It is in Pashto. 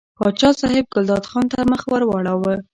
پاچا صاحب ګلداد خان ته مخ ور واړاوه.